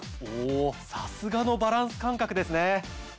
おさすがのバランス感覚ですね。